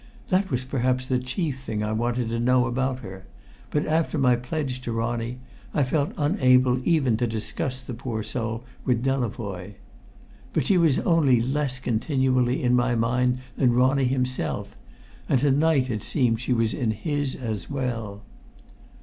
That was perhaps the chief thing I wanted to know about her, but after my pledge to Ronnie I felt unable even to discuss the poor soul with Delavoye. But she was only less continually in my mind than Ronnie himself, and to night it seemed she was in his as well.